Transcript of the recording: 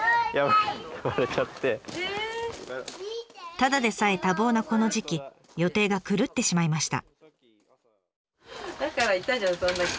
ただでさえ多忙なこの時期予定が狂ってしまいました。